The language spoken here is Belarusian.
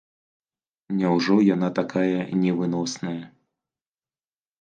Няўжо яна такая невыносная?